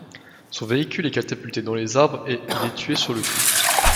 Son véhicule est catapulté dans les arbres et il est tué sur le coup.